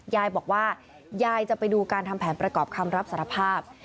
ยายบอกว่ายายจะไปดูการทำแผนประกอบคำรับสารภาพ